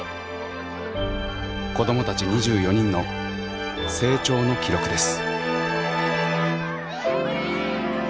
子どもたち２４人の成長の記録です。